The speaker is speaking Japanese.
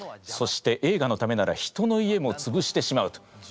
そして映画のためなら人の家もつぶしてしまうと。